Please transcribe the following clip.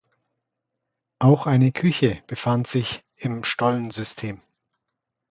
Auch eine Küche befand sich im Stollensystem.